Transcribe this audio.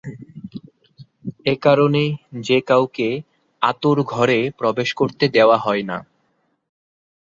এ কারণে যে-কাউকে অাঁতুড় ঘরে প্রবেশ করতে দেওয়া হয় না।